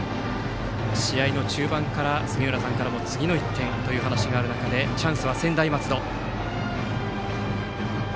試合の中盤から、杉浦さんから次の１点という話がある中でチャンスは専大松戸。